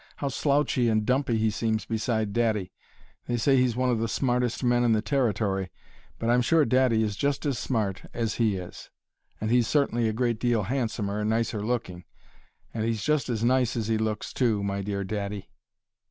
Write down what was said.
"How slouchy and dumpy he seems beside daddy! They say he's one of the smartest men in the Territory; but I'm sure daddy is just as smart as he is, and he's certainly a great deal handsomer and nicer looking. And he's just as nice as he looks, too, my dear daddy!"